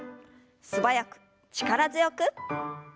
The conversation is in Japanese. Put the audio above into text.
素早く力強く。